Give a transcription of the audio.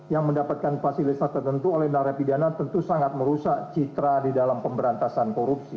yang mendapatkan fasilitas tertentu oleh narapidana tentu sangat merusak citra di dalam pemberantasan korupsi